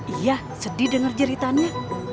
iya sedih dengar jeritanya